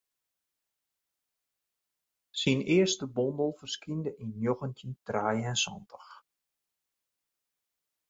Syn earste bondel ferskynde yn njoggentjin trije en santich.